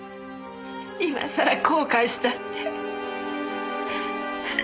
今さら後悔したって。